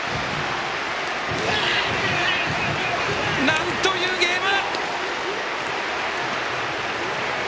なんというゲーム！